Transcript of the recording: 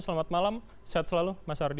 selamat malam sehat selalu mas ardi